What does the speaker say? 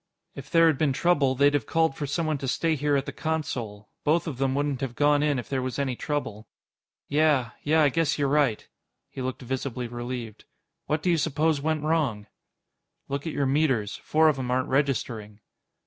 "If there'd been trouble, they'd have called for someone to stay here at the console. Both of them wouldn't have gone in if there was any trouble." "Yeah. Yeah, I guess you're right." He looked visibly relieved. "What do you suppose went wrong?" "Look at your meters. Four of 'em aren't registering."